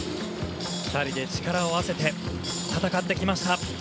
２人で力を合わせて戦ってきました。